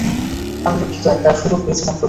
আমি দুঃখিত, একটা সুযোগ পেয়েছিলাম শুধু!